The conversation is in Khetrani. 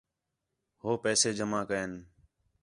ہو پیسے جمع کئین